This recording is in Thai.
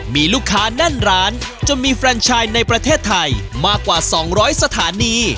มีลูกค้านั่นร้านจะมีในประเทศไทยมากกว่าสองร้อยสถานี